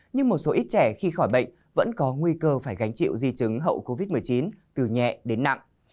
nhưng một số ít trẻ khi khỏi bệnh vẫn có nguy cơ phải gánh chịu di chứng hậu covid một mươi chín từ nhẹ đến nặng